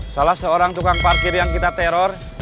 salah seorang tukang parkir yang kita teror